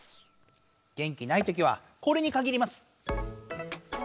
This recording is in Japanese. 元気ないときはこれにかぎります。